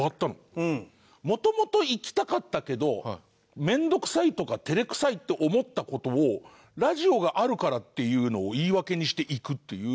もともと行きたかったけど面倒くさいとか照れくさいって思った事をラジオがあるからっていうのを言い訳にして行くっていう。